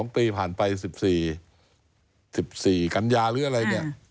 ๒ปีผ่านไป๑๔๑๔กันยาหรืออะไรเนี่ย